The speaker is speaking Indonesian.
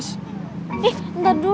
jener ya ludhik